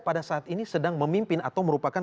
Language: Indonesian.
pada saat ini sedang memimpin atau merupakan